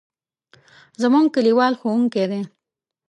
زموږ کلیوال ښوونکی دی.